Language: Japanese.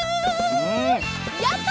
やった！